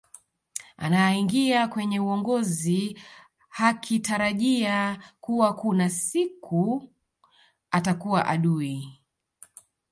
anaingia kwenye uongozi hakitarajia kuwa kuna siku atakua adui